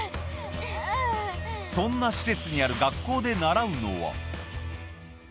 そんな施設にある学校で習うのは。